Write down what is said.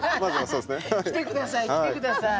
来てください来てください！